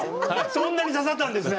そんなに刺さったんですね。